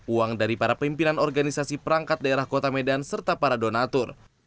uang dari para pimpinan organisasi perangkat daerah kota medan serta para donatur